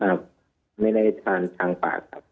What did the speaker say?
ไม่ได้ทานทางปากครับ